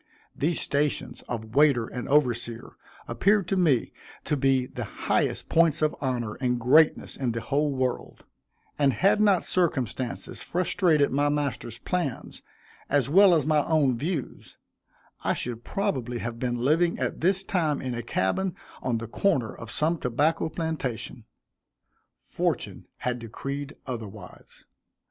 These stations of waiter and overseer appeared to me to be the highest points of honor and greatness in the whole world, and had not circumstances frustrated my master's plans, as well as my own views, I should probably have been living at this time in a cabin on the corner of some tobacco plantation. Fortune had decreed otherwise.